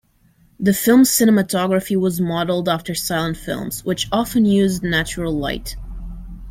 The film's cinematography was modeled after silent films, which often used natural light.